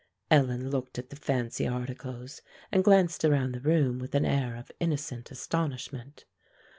Ellen looked at the fancy articles, and glanced around the room with an air of innocent astonishment.